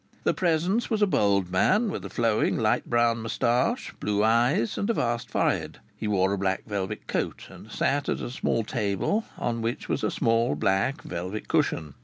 The Presence was a bold man, with a flowing light brown moustache, blue eyes, and a vast forehead. He wore a black velvet coat, and sat at a small table on which was a small black velvet cushion.